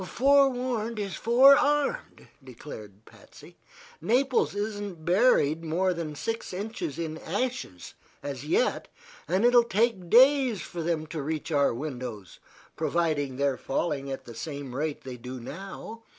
"Forewarned is forearmed," declared Patsy. "Naples isn't buried more than six inches in ashes, as yet, and it will take days for them to reach to our windows, provided they're falling at the same rate they do now.